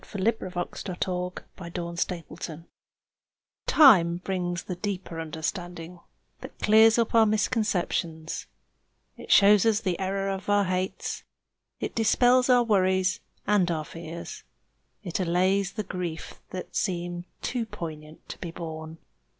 _ From "Forward, March!" THE RECTIFYING YEARS Time brings the deeper understanding that clears up our misconceptions; it shows us the error of our hates; it dispels our worries and our fears; it allays the grief that seemed too poignant to be borne.